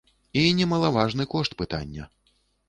І немалаважны кошт пытання.